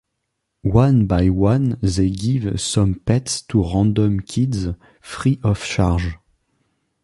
One by one they give some pets to random kids free of charge.